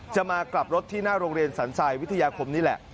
จะมากลับรถที่หน้าโรงเรียนสรรทรายวิทยาคมนี่แหละ